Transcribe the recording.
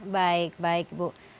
baik baik ibu